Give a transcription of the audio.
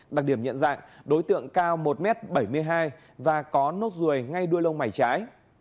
đặc điểm nhận dạng đối tượng cao một m bảy mươi hai và có nốt ruồi ngay đuôi lông mày trái